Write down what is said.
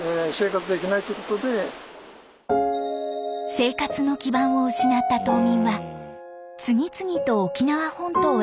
生活の基盤を失った島民は次々と沖縄本島へ移住。